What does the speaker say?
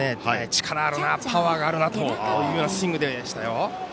力があるな、パワーがあるなというスイングでしたよ。